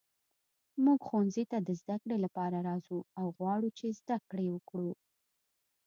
موږ ښوونځي ته د زده کړې لپاره راځو او غواړو چې زده کړې وکړو.